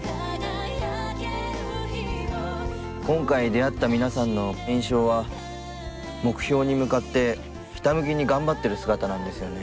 今回出会った皆さんの印象は目標に向かってひたむきに頑張ってる姿なんですよね。